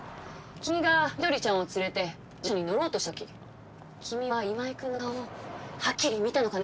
きみが緑ちゃんをつれて自動車に乗ろうとしたとききみは今井君の顔をはっきり見たのかね？